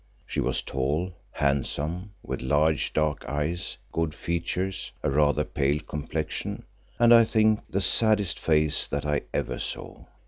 She was tall, handsome, with large dark eyes, good features, a rather pale complexion, and I think the saddest face that I ever saw.